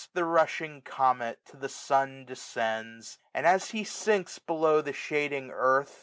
The rushing comet to the sun descends ; And as he sinks below the shading earth.